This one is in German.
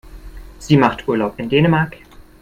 Sie macht Urlaub in Dänemark.